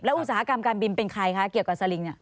อุตสาหกรรมการบินเป็นใครคะเกี่ยวกับสลิงเนี่ย